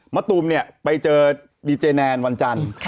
มะตูมไปเจอดีเจนแนนวันจันทร์